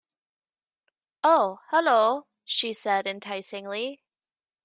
"Oh, hullo" she said, enticingly.